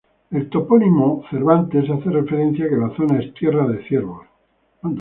El topónimo Cervantes hace referencia a que la zona es tierra de ciervos.